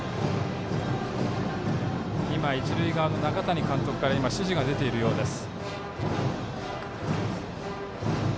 一塁側の中谷監督から指示が出ているようです。